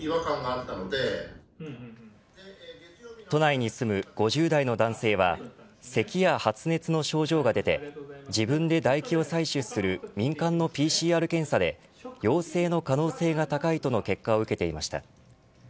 都内に住む５０代の男性はせきや発熱の症状が出て自分で唾液を採取する民間のＰＣＲ検査で陽性の可能性が高いとの結果を受けていました。